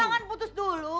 jangan putus dulu